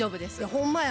ほんまや。